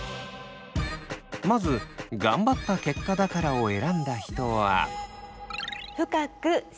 まず「がんばった結果だから」を選んだ人は。